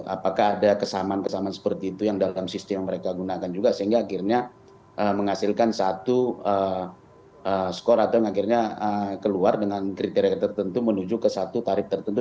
apakah ada kesamaan kesamaan seperti itu yang dalam sistem yang mereka gunakan juga sehingga akhirnya menghasilkan satu skor atau yang akhirnya keluar dengan kriteria tertentu menuju ke satu tarif tertentu